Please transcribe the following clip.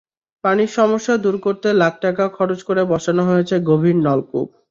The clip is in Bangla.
পানির সমস্যা দূর করতে লাখ টাকা খরচ করে বসানো হয়েছে গভীর নলকূপ।